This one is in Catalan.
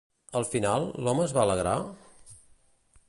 Al final, l'home es va alegrar?